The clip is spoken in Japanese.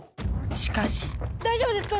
しかし大丈夫ですか？